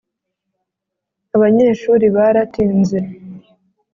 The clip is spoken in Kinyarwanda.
abanyeshuri baratinze